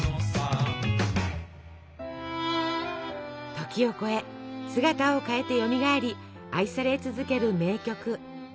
時を超え姿を変えてよみがえり愛され続ける名曲。